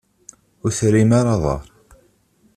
Ur terrim ara aḍar.